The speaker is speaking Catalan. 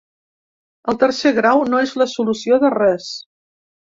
“El tercer grau no és la solució de res”